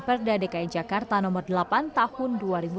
perda dki jakarta no delapan tahun dua ribu tujuh